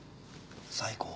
最高！